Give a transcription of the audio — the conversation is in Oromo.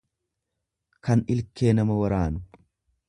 kan ilkee nama waraanu.